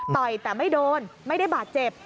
ต่อยแต่ไม่โดนไม่ได้บาดเจ็บ